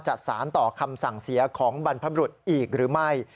สารต่อคำสั่งเสียของบรรพบรุษอีกหรือไม่